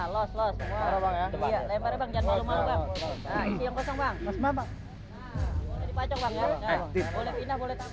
boleh pindah boleh tambah